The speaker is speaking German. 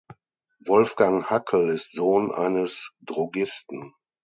Wolfgang Hackel ist Sohn eines Drogisten.